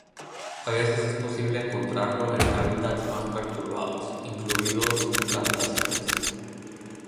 A veces es posible encontrarlo en hábitats más perturbados, incluidos plantaciones.